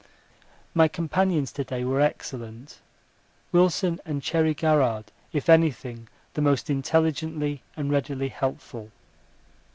My companions to day were excellent; Wilson and Cherry Garrard if anything the most intelligently and readily helpful.